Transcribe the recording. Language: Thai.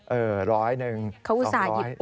เออร้อยหนึ่งสองร้อย